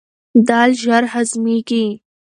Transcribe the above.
دال ژر هضمیږي.